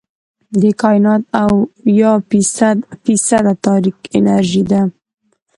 د کائنات اويا فیصده تاریک انرژي ده.